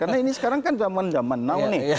karena ini sekarang kan zaman zaman now nih